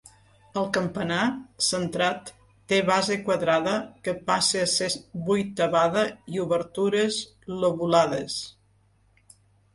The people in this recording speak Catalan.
El campanar, centrat, té base quadrada que passa a ser vuitavada i obertures lobulades.